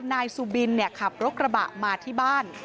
นายสุบินขับรถกระบะมาที่บ้าน